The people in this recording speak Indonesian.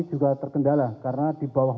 juga terkendala karena di bawah